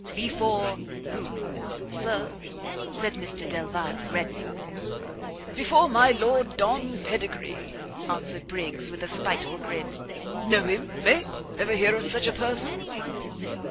"Before whom, Sir?" said Mr Delvile, reddening. "Before my Lord Don Pedigree," answered Briggs, with a spiteful grin, "know him? eh? ever hear of such a person?"